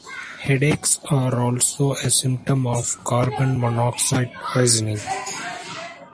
Headaches are also a symptom of carbon monoxide poisoning.